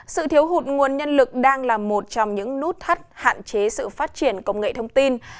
sự thiếu hụt nguồn nhân lực đang là một trong những nút thắt hạn chế sự phát triển công nghệ thông tin